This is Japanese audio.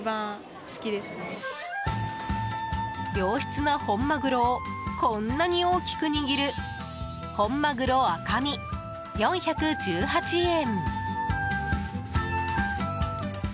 良質な本マグロをこんなに大きく握る本まぐろ赤身、４１８円。